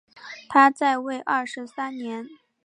他在位二十三年。